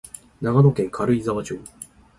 長野県軽井沢町